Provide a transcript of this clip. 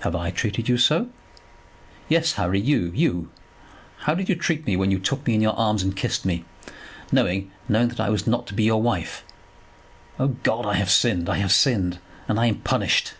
"Have I treated you so?" "Yes, Harry; you, you. How did you treat me when you took me in your arms and kissed me, knowing, knowing that I was not to be your wife? O God, I have sinned. I have sinned, and I am punished."